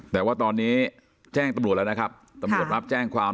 แต่ว่าตอนนี้แจ้งตำรวจแล้วนะครับตำรวจรับแจ้งความ